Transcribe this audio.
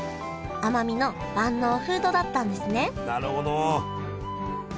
奄美の万能フードだったんですねなるほど。